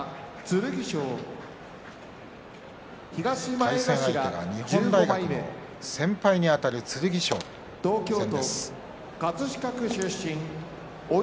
対戦相手が日本大学の先輩にあたる剣翔戦です。